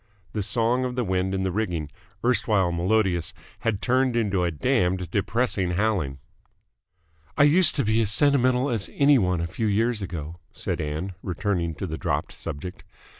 The song of the wind in the rigging, erstwhile melodious, had turned into a damned depressing howling. "I used to be as sentimental as any one a few years ago," said Ann, returning to the dropped subject.